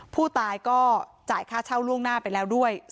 ผู้ตายก็จ่ายค่าเช่าล่วงหน้าไปแล้วด้วย